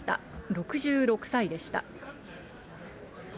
６６歳でした。